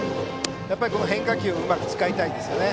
やっぱり変化球をうまく使いたいですね。